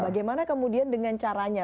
bagaimana kemudian dengan caranya